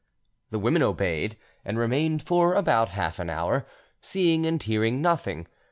The women obeyed, and remained for about half an hour, seeing and hearing nothing.